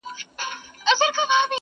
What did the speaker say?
د تهمتونو سنګسارونو شور ماشور تر کلي-